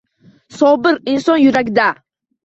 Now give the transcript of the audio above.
Sobir inson yuragida